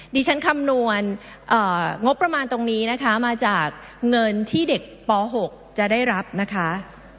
ดิฉันคำนวณงบประมาณตรงนี้นะคะมาจากเงินที่เด็กป๖จะได้รับนะคะ